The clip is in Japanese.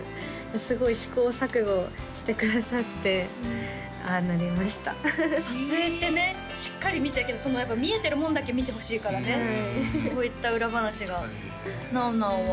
すごい試行錯誤してくださってああなりました撮影ってねしっかり見ちゃいけない見えてるもんだけ見てほしいからねそういった裏話がなおなおは？